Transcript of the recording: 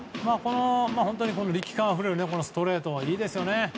本当に力感あふれるストレートいいですよね。